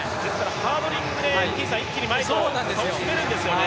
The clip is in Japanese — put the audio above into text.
ハードリングで一気に前との差を詰めるんですよね。